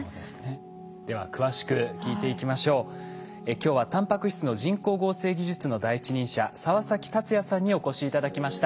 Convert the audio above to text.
今日はタンパク質の人工合成技術の第一人者澤崎達也さんにお越し頂きました。